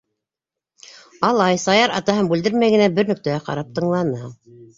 Алай, — Саяр, атаһын бүлдермәй генә, бер нөктәгә ҡарап тыңланы.